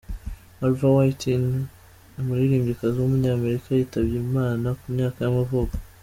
Marva Whitney, umuririmbyikazi w’umunyamerika yitabye Imana ku myaka y’amavuko.